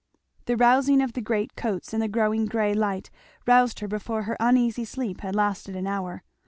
The rousing of the great coats, and the growing gray light, roused her before her uneasy sleep had lasted an hour.